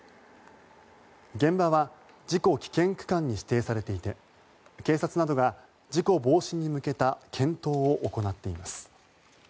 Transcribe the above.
現場は事故危険区間に指定されていて警察などが事故防止に向けた検討を行っています。